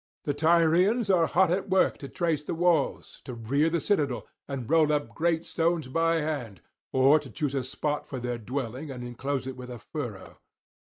The Tyrians are hot at work to trace the walls, to rear the citadel, and roll up great stones by hand, or to choose a spot for their dwelling and enclose it with a furrow.